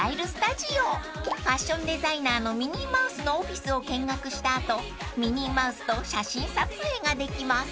［ファッションデザイナーのミニーマウスのオフィスを見学した後ミニーマウスと写真撮影ができます］